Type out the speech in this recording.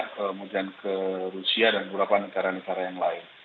kemudian ke rusia dan beberapa negara negara yang lain